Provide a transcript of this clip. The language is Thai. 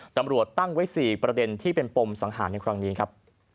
ตำรวจตั้งไว้๔ประเด็นที่เป็นปมสังหารในครั้งนี้ครับ